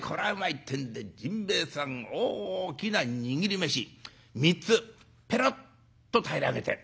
ってんで甚兵衛さん大きな握り飯３つぺろっと平らげて。